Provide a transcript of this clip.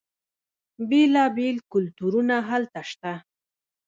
بیلا بیل کلتورونه هلته شته.